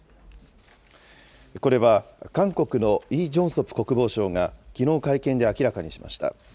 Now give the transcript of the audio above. これは、韓国のイ・ジョンソプ国防相がきのう会見で明らかにしました。